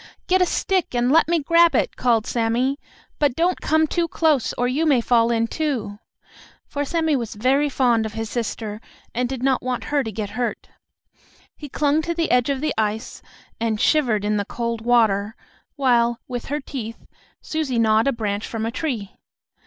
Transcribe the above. "Get a stick and let me grab it!" called Sammie. "But don't come too close, or you may fall in, too," for Sammie was very fond of his sister, and did not want her to get hurt. He clung to the edge of the ice, and shivered in the cold water, while, with her teeth, Susie gnawed a branch from a tree.